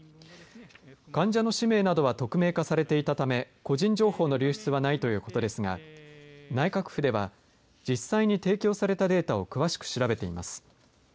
患者の氏名などは匿名化されていたため個人情報の流出はないということですが内閣府では実際に提供されたデータを詳しく調べています。